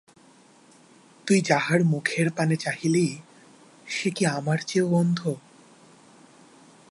তুই যাহার মুখের পানে চাহিলি সে কি আমার চেয়েও অন্ধ।